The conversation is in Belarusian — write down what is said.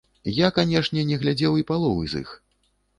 Я, канешне, не глядзеў і паловы з іх.